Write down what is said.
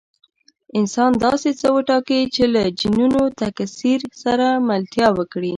انسان داسې څه وټاکي چې له جینونو تکثیر سره ملتیا وکړي.